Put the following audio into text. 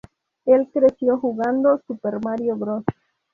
Él creció jugando "Super Mario Bros.